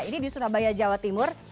ini di surabaya jawa timur